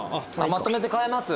まとめて買えます？